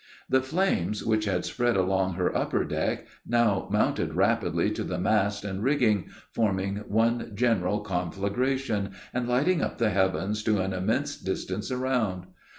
The flames which had spread along her upper deck, now mounted rapidly to the mast and rigging, forming one general conflagration, and lighting up the heavens to an immense distance around.